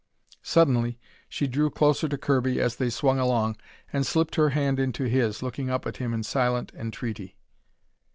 Suddenly she drew closer to Kirby as they swung along, and slipped her hand into his, looking up at him in silent entreaty.